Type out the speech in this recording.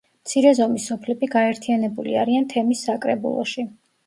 მცირე ზომის სოფლები გაერთიანებული არიან თემის საკრებულოში.